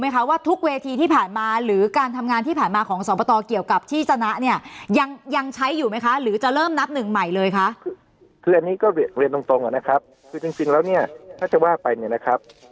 คืออันนี้ก็เรียนตรงตรงอ่ะนะครับคือจริงแล้วเนี่ยถ้าจะว่าไปเนี่ยนะครับ